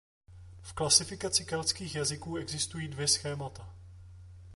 V klasifikaci keltských jazyků existují dvě schémata.